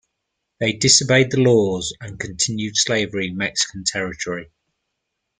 They disobeyed the laws and continued slavery in Mexican territory.